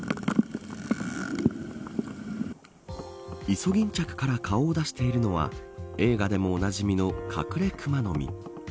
イソギンチャクから顔を出しているのは映画でもおなじみのカクレクマノミ。